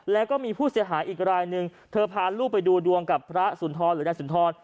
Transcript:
แล้วก็มีผู้เสียหายอีกรายหนึ่งเธอพาลูกไปดูดวงกับพระสุนทรหรือนายสุนทร